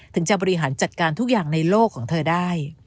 จะบริหารจัดการทุกอย่างในโลกของเธอได้